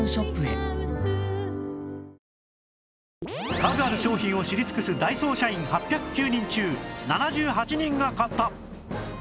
数ある商品を知り尽くすダイソー社員８０９人中７８人が買った